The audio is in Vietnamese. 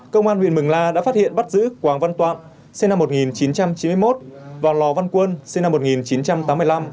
công an huyện mường la đã phát hiện bắt giữ quảng văn toạn sinh năm một nghìn chín trăm chín mươi một và lò văn quân sinh năm một nghìn chín trăm tám mươi năm